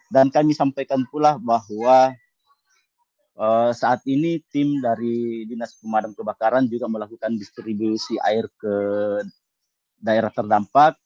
dan kami sampaikan pula bahwa saat ini tim dari dinas pemadam kebakaran juga melakukan distribusi air ke daerah terdampak